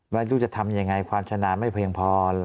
ว่าลูกจะทำอย่างไรความชนะไม่เพียงพอ